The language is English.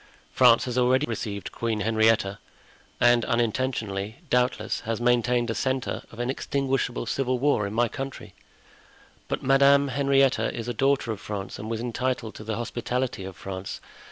France has already received Queen Henrietta, and, unintentionally, doubtless, has maintained a centre of inextinguishable civil war in my country. But Madame Henrietta is a daughter of France and was entitled to the hospitality of France.